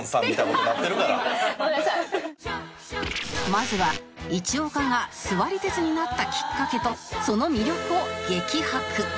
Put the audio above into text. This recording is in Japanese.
まずは一岡が座り鉄になったきっかけとその魅力を激白